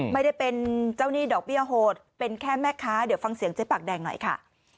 ไม่ได้เป็นเจ้าหนี้ดอกเบี้ยโหดเป็นแค่แม่ค้าเดี๋ยวฟังเสียงเจ๊ปากแดงหน่อยค่ะ